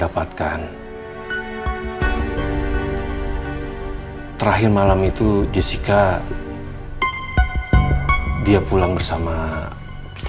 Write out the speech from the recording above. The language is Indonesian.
semoga mereka punya kelasti willie facebook di youtube google